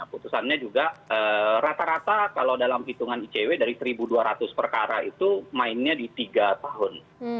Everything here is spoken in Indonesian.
putusannya juga rata rata kalau dalam hitungan icw dari satu dua ratus perkara itu mainnya di tiga tahun